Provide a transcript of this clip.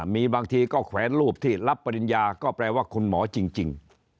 มีบางทีก็แขวนรูปที่รับปริญญาก็แปลว่าคุณหมอจริง